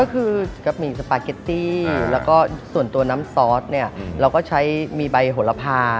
ก็คือกะปิสปาเกตตี้แล้วก็ส่วนตัวน้ำซอสเนี่ยเราก็ใช้มีใบโหลพา